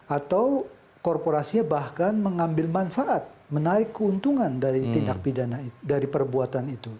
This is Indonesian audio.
atau korporasinya bahkan mengambil manfaat menarik keuntungan dari tindak pidana itu dari perbuatan itu